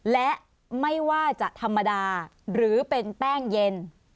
และไม่ว่าจะธรรมดาหรือเป็นแป้งเย็น